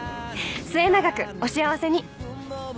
末永くお幸せに。